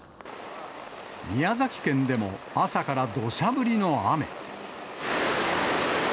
宮崎県でも朝からどしゃ降りの雨。